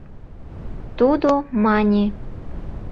Тудо мане: